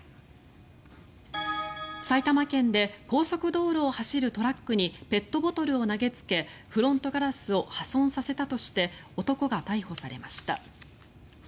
埼玉県で高速道路を走るトラックにペットボトルを投げつけフロントガラスを破損させたとして男が逮捕されました。